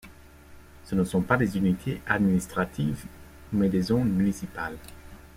Ce ne sont pas des unités administratives, mais des zones municipales.